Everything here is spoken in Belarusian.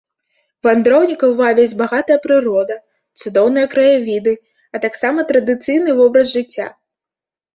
Вандроўнікаў вабяць багатая прырода, цудоўныя краявіды, а таксама традыцыйны вобраз жыцця.